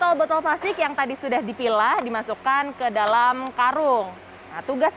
botol botol plastik yang tadi sudah dipilah dimasukkan ke dalam karung tugas